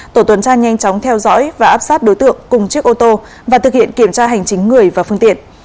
tổ tuần tra nhanh chóng theo dõi và áp sát đối tượng cùng chiếc ô tô và thực hiện kiểm tra hành chính người và phương tiện